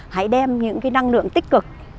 hãy đem những cái năng lượng tích cực